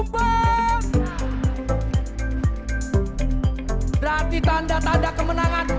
berarti tanda tanda kemenangan